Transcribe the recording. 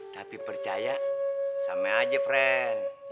tapi percaya sama aja friend